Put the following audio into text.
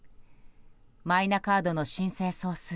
マイナカードの申請総数